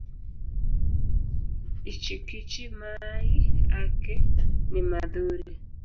Ichikichi mai ake nimadhuri.